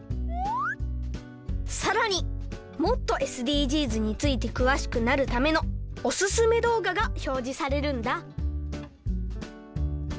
さらにもっとＳＤＧｓについてくわしくなるためのおすすめどうががひょうじされるんだ。